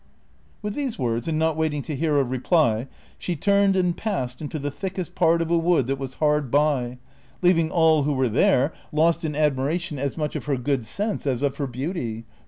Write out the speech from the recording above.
With these words, and not waiting to hear a rei)ly, she turned and passed into the thickest part of a Avood that was hard by, leaving all who were there lost in admiration as much of her good sense as of her beauty.